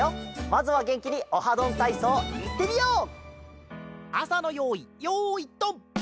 まずはげんきに「オハどんたいそう」いってみよう！